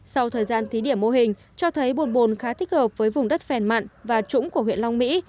sau thời gian thí điểm mô hình cho thấy bồn bồn khá thích hợp với vùng đất phèn mặn và trũng của huyện long mỹ